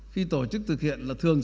khi tổ chức thực hiện là thường